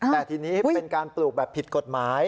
แต่ทีนี้เป็นการปลูกแบบผิดกฎหมาย